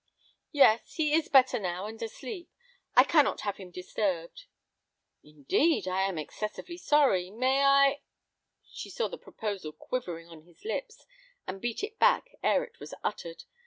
Yes, he is better now, and asleep. I cannot have him disturbed." "Indeed! I am excessively sorry. May I—?" She saw the proposal quivering on his lips, and beat it back ere it was uttered.